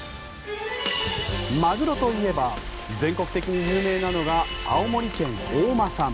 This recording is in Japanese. マグロといえば全国的に有名なのが青森県大間産。